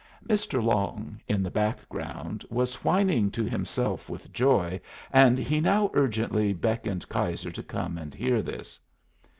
Mr. Long, in the background, was whining to himself with joy, and he now urgently beckoned Keyser to come and hear this.